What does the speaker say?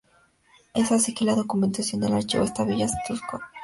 Es así que la documentación del archivo esta villa de Otuzco iba progresando.